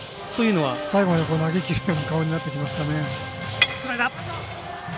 最後まで投げきるような顔になってきました。